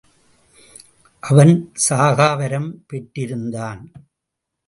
அவன் சாகாவரம் பெற்றிருந்தான்.